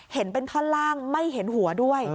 เห็นเป็นท่อนล่างไม่เห็นหัวด้วย